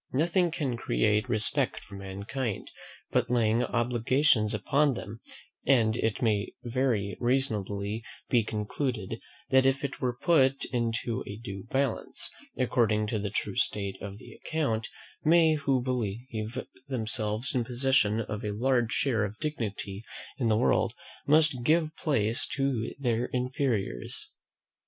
Nothing can create respect from mankind, but laying obligations upon them; and it may very reasonably be concluded, that if it were put into a due balance, according to the true state of the account, many who believe themselves in possession of a large share of dignity in the world, must give place to their inferiors.